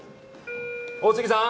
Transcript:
大杉さん！